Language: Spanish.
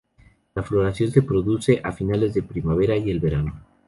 La floración se produce a finales de primavera y el verano.